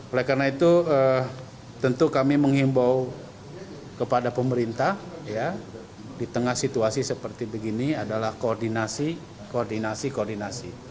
oleh karena itu tentu kami mengimbau kepada pemerintah di tengah situasi seperti begini adalah koordinasi koordinasi